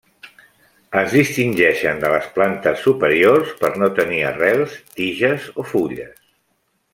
Es distingeixen de les plantes superiors per no tenir arrels, tiges o fulles.